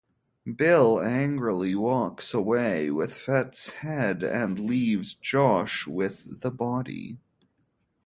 Bill angrily walks away with Fett's head and leaves Josh with the body.